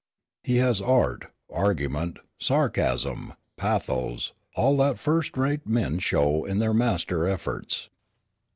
He has art, argument, sarcasm, pathos, all that first rate men show in their master efforts."